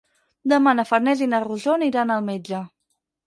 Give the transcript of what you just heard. Demà na Farners i na Rosó aniran al metge.